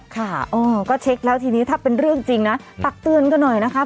ค่ะก็เช็คแล้วทีนี้ถ้าเป็นเรื่องจริงนะตักเตือนกันหน่อยนะคะ